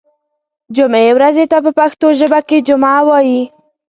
جمعې ورځې ته په پښتو ژبه کې جمعه وایی